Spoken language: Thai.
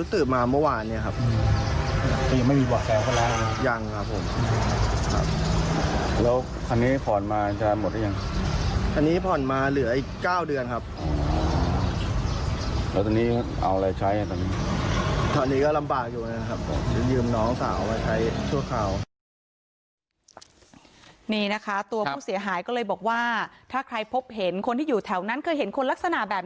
ต้องมาใช้ทั่วข่าว